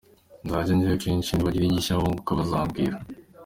Nzajya njyayo kenshi nibagira igishya bunguka bazambwira.”